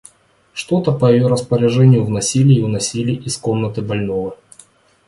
Что-то по ее распоряжению вносили и уносили из комнаты больного.